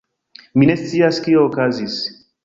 Mi ne scias kio okazis